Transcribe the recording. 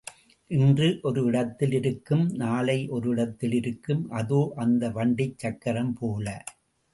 இன்று ஒரு இடத்தில் இருக்கும், நாளை ஒரு இடத்தில் இருக்கும் அதோ அந்த வண்டிச் சக்கரம் போல.